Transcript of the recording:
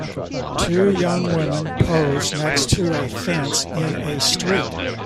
Two young women pose next to a fence in a street